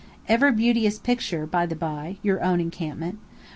Ever beauteous picture, by the by, your own encampment!